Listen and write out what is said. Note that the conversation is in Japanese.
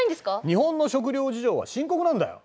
日本の食料事情は深刻なんだよ。